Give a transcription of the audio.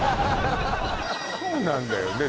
そうなんだよね